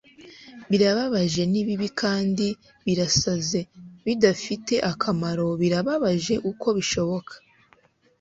Birababaje nibibi kandi birasaze bidafite akamaro birababaje uko bishoboka